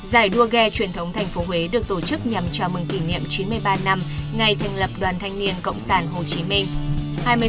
giải đua ghe truyền thống thành phố huế được tổ chức nhằm chào mừng kỷ niệm chín mươi ba năm ngày thành lập đoàn thanh niên cộng sản hồ chí minh